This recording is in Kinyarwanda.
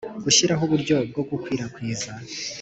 Gushyiraho uburyo bwo gukwirakwiza